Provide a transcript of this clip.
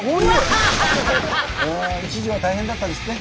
一時は大変だったんですって？